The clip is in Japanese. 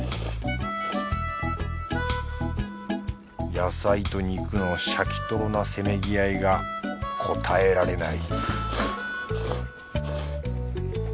野菜と肉のシャキトロなせめぎ合いがこたえられない